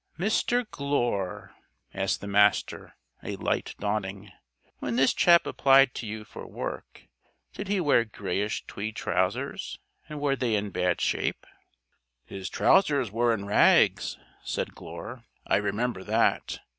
_" "Mr. Glure," asked the Master, a light dawning, "when this chap applied to you for work, did he wear grayish tweed trousers? And were they in bad shape?" "His trousers were in rags," said Glure. "I remember that.